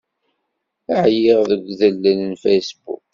Ɛyiɣ deg udellel n Facebook.